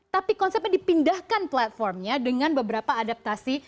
tapi konsepnya dipindahkan platformnya dengan beberapa adaptasi